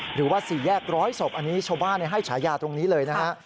หรือว่า๔แยกร้อยศพชาวบ้านให้ฉายาตรงนี้เลยนะฮะ